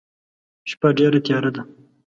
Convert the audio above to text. شپه ډيره تیاره ده.